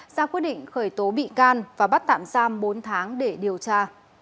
ra quyết định khởi tố bị can và bắt tạm giam bốn tháng để điều tra